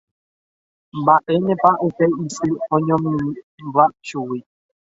Mba'énepa upe isy oñomíva chugui